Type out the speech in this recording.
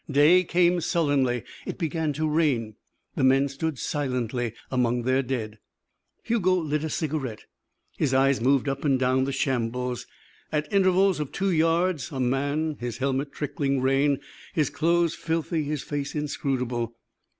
Day came sullenly. It began to rain. The men stood silently among their dead. Hugo lit a cigarette. His eyes moved up and down the shambles. At intervals of two yards a man, his helmet trickling rain, his clothes filthy, his face inscrutable.